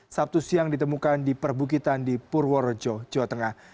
sabtu siang ditemukan di perbukitan di purworejo jawa tengah